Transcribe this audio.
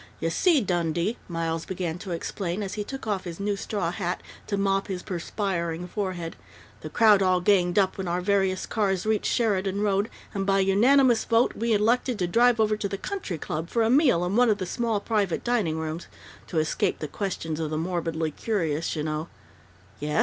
You see, Dundee," Miles began to explain, as he took off his new straw hat to mop his perspiring forehead, "the crowd all ganged up when our various cars reached Sheridan Road, and by unanimous vote we elected to drive over to the Country Club for a meal in one of the small private dining rooms to escape the questions of the morbidly curious, you know " "Yes....